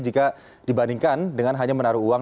jika dibandingkan dengan hanya menaruh uang